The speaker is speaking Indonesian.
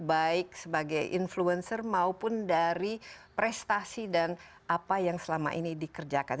baik sebagai influencer maupun dari prestasi dan apa yang selama ini dikerjakan